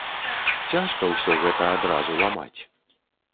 Цяжка ўсё гэта адразу ламаць.